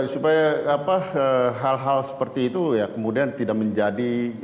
supaya hal hal seperti itu ya kemudian tidak menjadi